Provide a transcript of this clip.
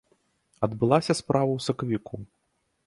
Адбылася справа ў сакавіку.